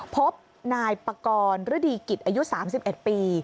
พบนายปากรฤดีกิจอายุ๓๑ปี